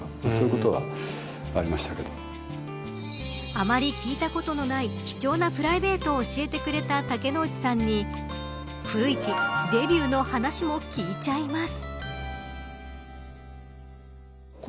あまり聞いたことのない貴重なプライベートを教えてくれた竹野内さんに古市、デビューの話も聞いちゃいます。